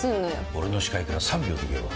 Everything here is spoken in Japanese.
俺の視界から３秒で消えろ。